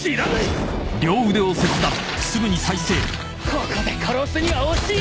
ここで殺すには惜しい！